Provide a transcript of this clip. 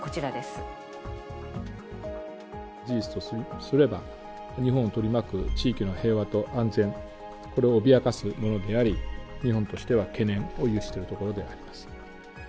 事実とすれば、日本を取り巻く地域の平和と安全、これを脅かすものであり、日本としては懸念を有しているところであります。